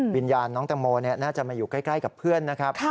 วิญญาณน้องแตงโมน่าจะมาอยู่ใกล้กับเพื่อนนะครับ